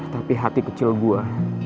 tapi hati kecil gua